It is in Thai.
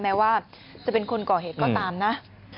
แม้ว่าจะเป็นคนก่อเหตุก็ตามนะ